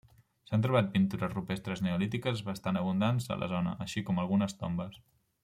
S'han trobat pintures rupestres neolítiques bastant abundants a la zona, així com algunes tombes.